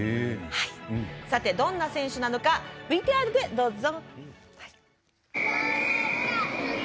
さて、どんな選手なのかＶＴＲでどうぞ。